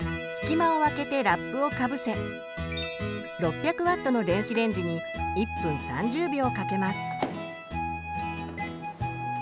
隙間をあけてラップをかぶせ６００Ｗの電子レンジに１分３０秒かけます。